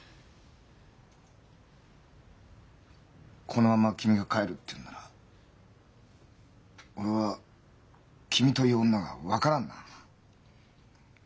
このまま君が帰るっていうんなら俺は君という女が分からんな。